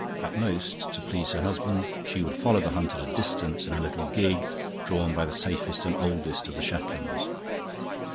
At most, to please her husband, she would follow the hunt at a distance in a little gig drawn by the safest and oldest of the Shetlands.